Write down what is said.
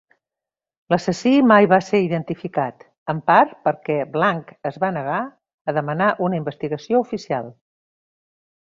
L'assassí mai va ser identificat, en part perquè blanc es va negar a demanar una investigació oficial.